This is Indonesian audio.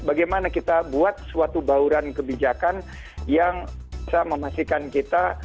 bagaimana kita buat suatu bauran kebijakan yang bisa memastikan kita